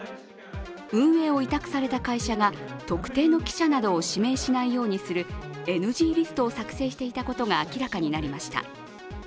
運営を委託された会社が特定の記者などを指名しないようにするＮＧリストを作成していたことが明らかになりました。